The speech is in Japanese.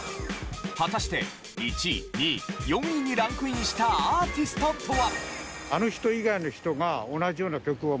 果たして１位２位４位にランクインしたアーティストとは？